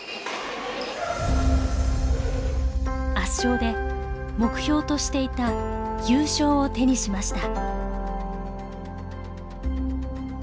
圧勝で目標としていた優勝を手にしました。